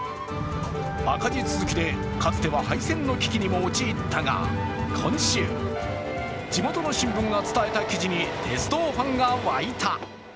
赤字続きでかつては廃線の危機にも陥ったが、今週、地元の新聞が伝えた記事に鉄道ファンが沸いた。